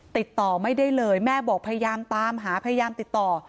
ติดต่อไม่ได้เลยแม่บอกพยายามตามหาพยายามติดต่อ